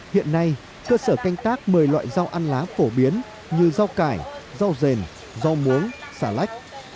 hiện nay cơ sở canh tác một mươi loại rau ăn lá phổ biến như rau cải rau rèn rau muống xà lách